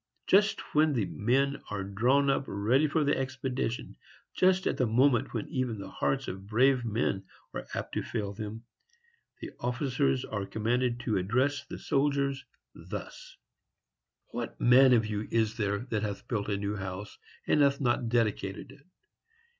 Just when the men are drawn up ready for the expedition,—just at the moment when even the hearts of brave men are apt to fail them,—the officers are commanded to address the soldiers thus: "What man of you is there that hath built a new house, and hath not dedicated it?